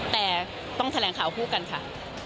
แต่ต้องแถลงข่าวคู่กันค่ะ